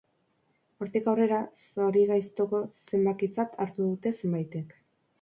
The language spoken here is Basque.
Hortik aurrera, zorigaiztoko zenbakitzat hartu dute zenbaitek.